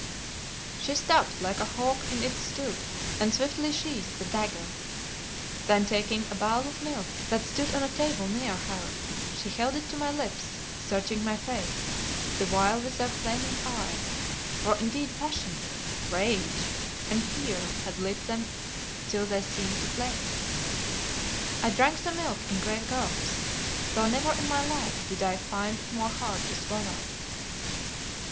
She stopped like a hawk in its stoop, and swiftly sheathed the dagger. Then taking a bowl of milk that stood on a table near her, she held it to my lips, searching my face the while with her flaming eyes, for indeed passion, rage, and fear had lit them till they seemed to flame. I drank the milk in great gulps, though never in my life did I find it more hard to swallow.